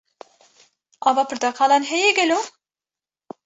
Ava porteqalan heye gelo?